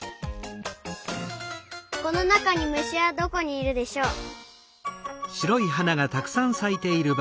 このなかにむしはどこにいるでしょう？